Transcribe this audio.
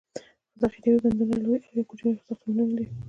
ذخیروي بندونه لوي او یا کوچني ساختمانونه دي.